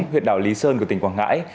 huyện đảo lý sơn của tỉnh quảng ngãi